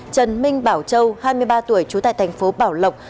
trần minh bảo châu hai mươi ba tuổi trú tại thành phố bảo lộc